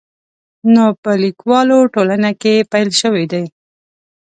نو په لیکوالو ټولنه کې پیل شوی دی.